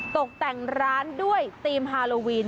ตกแต่งร้านด้วยธีมฮาโลวีน